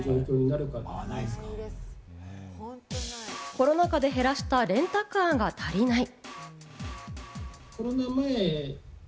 コロナ禍で減らしたレンタカーが足りない。